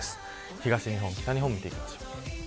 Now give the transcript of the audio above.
東日本、北日本見ていきましょう。